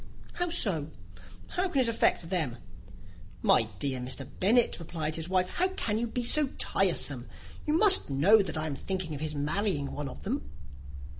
"How so? how can it affect them?" "My dear Mr. Bennet," replied his wife, "how can you be so tiresome? You must know that I am thinking of his marrying one of them."